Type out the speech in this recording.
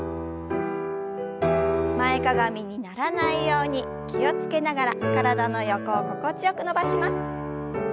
前かがみにならないように気を付けながら体の横を心地よく伸ばします。